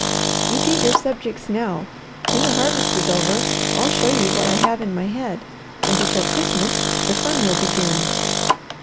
"You get your subjects now. When the harvest is over I'll show you what I have in my head, and before Christmas the fun will begin."